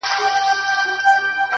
هغه د صحنې له وضعيت څخه حيران ښکاري,